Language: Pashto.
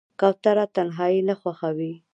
کوتره تنهایي نه خوښوي.